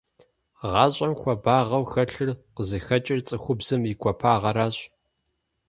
ГъащӀэм хуабагъэу хэлъыр къызыхэкӀыр цӀыхубзым и гуапагъэращ.